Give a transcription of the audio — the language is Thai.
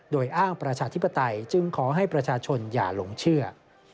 โดยอ้างประชาธิปไตยจึงขอให้ประชาชนอย่าหลงเชื่อ